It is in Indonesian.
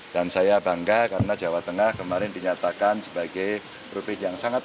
dan saya bangga karena jawa tengah kemarin dinyatakan sebagai rupi yang sangat